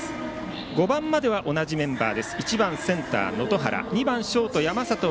５番までは同じメンバー。